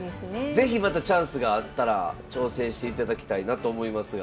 是非またチャンスがあったら挑戦していただきたいなと思いますが。